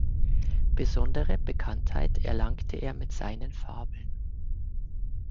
Besondere Bekanntheit erlangte er mit seinen Fabeln.